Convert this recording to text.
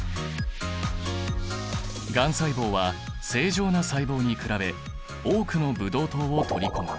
がん細胞は正常な細胞に比べ多くのブドウ糖を取り込む。